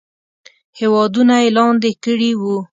هیوادونه یې لاندې کړي وو.